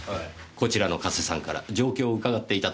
こちらの加瀬さんから状況を伺っていたところです。